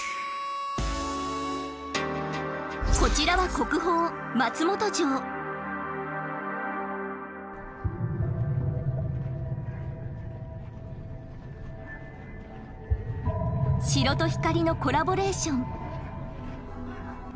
こちらは国宝城と光のコラボレーション。